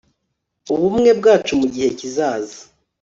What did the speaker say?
Ubumwe bwacu mugihe kizaza